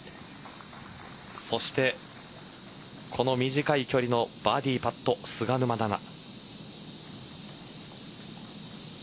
そしてこの短い距離のバーディーパット、菅沼菜々。